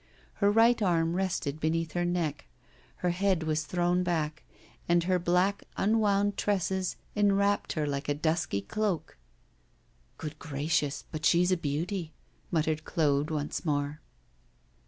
Her right arm rested beneath her neck, her head was thrown back, and her black unwound tresses enwrapped her like a dusky cloak. 'Good gracious! But she's a beauty!' muttered Claude once more.